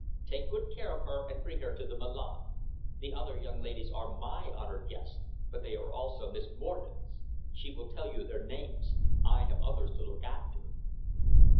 Take good care of her and bring her to the Milan. The other young ladies are my honoured guests, but they are also Miss Morgen's. She will tell you their names. I have others to look after."